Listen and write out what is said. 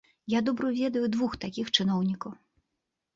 Я добра ведаю двух такіх чыноўнікаў.